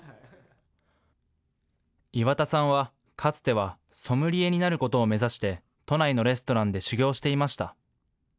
岩田さんは、かつてはソムリエになることを目指して都内のレストランで修業していました。